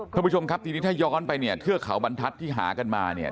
ท่านผู้ชมครับทีนี้ถ้าย้อนไปเนี่ยเทือกเขาบรรทัศน์ที่หากันมาเนี่ย